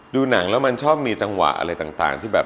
ดูหนังแล้วมันชอบมีจังหวะอะไรต่างที่แบบ